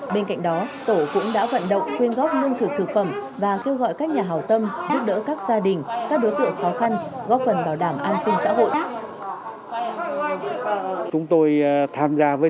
bên cạnh đó tổ cũng đã vận động quyên góp lương thực thực phẩm và kêu gọi các nhà hào tâm giúp đỡ các gia đình các đối tượng khó khăn góp phần bảo đảm an sinh xã hội